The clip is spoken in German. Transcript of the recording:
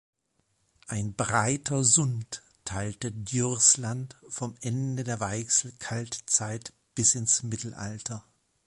Ein breiter Sund teilte Djursland vom Ende der Weichsel-Kaltzeit bis ins Mittelalter.